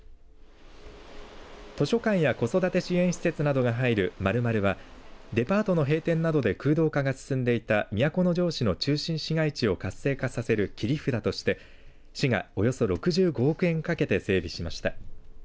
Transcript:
図書館や子育て新設などが入るＭａｌｌｍａｌｌはデパートの閉店などで空洞化が進んでいた都城市の中心市街地を活性化させる切り札として市がおよそ６５億円をかけて整備しました。